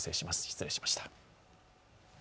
失礼しました。